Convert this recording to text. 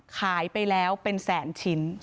ขายไปแล้วเป็นแสนชิ้น